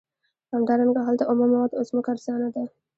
همدارنګه هلته اومه مواد او ځمکه ارزانه ده